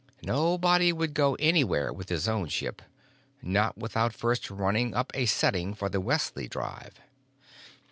Nobody would go anywhere with his own ship—not without first running up a setting for the Wesley Drive!